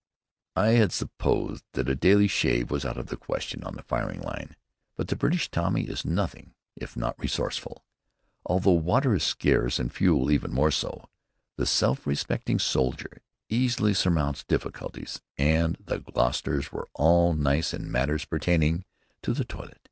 I had supposed that a daily shave was out of the question on the firing line; but the British Tommy is nothing if not resourceful. Although water is scarce and fuel even more so, the self respecting soldier easily surmounts difficulties, and the Gloucesters were all nice in matters pertaining to the toilet.